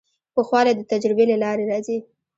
پوخوالی د تجربې له لارې راځي.